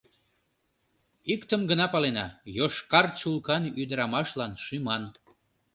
Иктым гына палена: йошкар чулкан ӱдырамашлан шӱман.